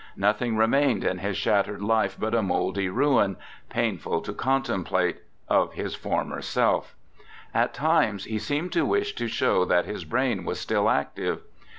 Nothing remained in his shattered life but a mouldy ruin, painful to contemplate, of his former self. At times he seemed to wish to show that his brain was still active.